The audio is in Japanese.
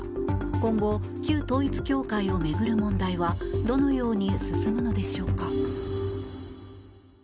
今後、旧統一教会を巡る問題はどのように進むのでしょうか。